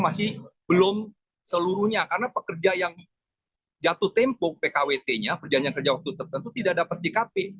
masih belum seluruhnya karena pekerja yang jatuh tempo pkwt nya perjanjian kerja waktu tertentu tidak dapat jkp